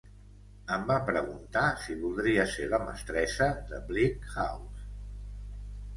Em va preguntar si voldria ser la mestressa de Bleak House.